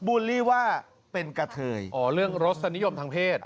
ูลลี่ว่าเป็นกะเทยอ๋อเรื่องรสนิยมทางเพศ